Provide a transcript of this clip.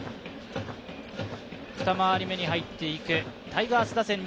２周り目に入っていくタイガース打線